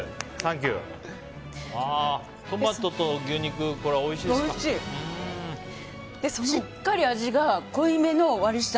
トマトと牛肉おいしいですか。